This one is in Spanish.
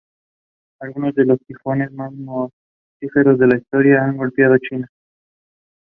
Algunos de los tifones más mortíferos en historia han golpeado China.